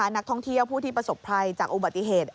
นักท่องเที่ยวผู้ที่ประสบภัยจากอุบัติเหตุ